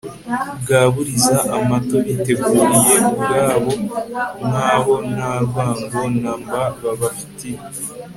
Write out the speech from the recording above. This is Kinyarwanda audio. baburiza amato biteguriye ubwabo, nk'aho nta rwango na mba babafitiye